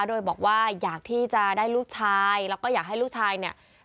โดยบอกว่าอยากที่จะได้ลูกชายแล้วก็อยากให้ลูกชายเนี่ย